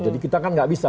jadi kita kan tidak bisa